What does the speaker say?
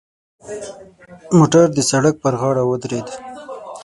موټر د سړک پر غاړه ودرید.